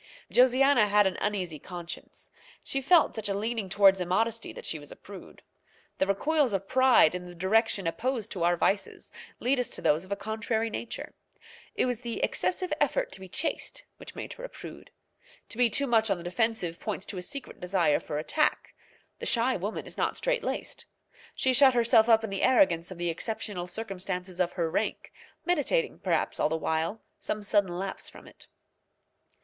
Josiana had an uneasy conscience. She felt such a leaning towards immodesty that she was a prude. The recoils of pride in the direction opposed to our vices lead us to those of a contrary nature. It was the excessive effort to be chaste which made her a prude. To be too much on the defensive points to a secret desire for attack; the shy woman is not strait laced. She shut herself up in the arrogance of the exceptional circumstances of her rank, meditating, perhaps, all the while, some sudden lapse from it.